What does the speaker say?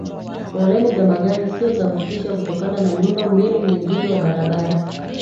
Foleni za magari sio za kutisha kutokana na miundo mbinu mizuri ya barabara